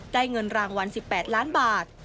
เงินรางวัล๑๘ล้านบาท